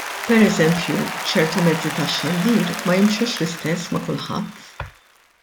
Pereżempju ċertu mezzi tax-xandir ma jimxux l-istess ma' kulħadd.